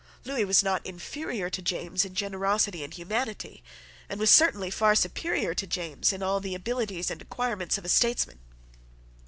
Lewis was not inferior to James in generosity and humanity, and was certainly far superior to James in all the abilities and acquirements of a statesman.